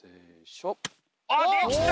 あっできた！